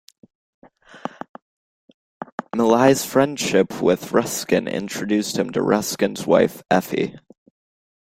Millais's friendship with Ruskin introduced him to Ruskin's wife Effie.